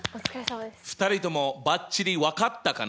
２人ともばっちり分かったかな？